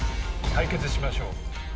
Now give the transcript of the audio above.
対決しましょう。